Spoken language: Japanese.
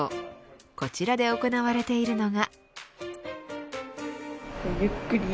こちらで行われているのが。